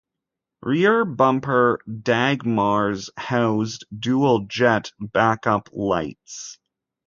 Rear bumper "Dagmars" housed "Dual Jet" back-up lights.